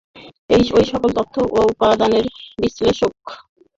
ঐ-সকল তথ্য ও উপাদানের বিশ্লেষণ এবং পরীক্ষার ফলে ঐ বিজ্ঞান সম্পর্কে জ্ঞানলাভ হয়।